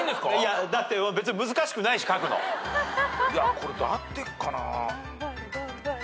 これで合ってっかな。